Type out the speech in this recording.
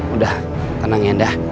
udah tenang ya